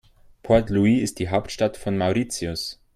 Port Louis ist die Hauptstadt von Mauritius.